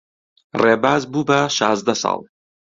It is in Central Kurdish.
ڕێباز بوو بە شازدە ساڵ.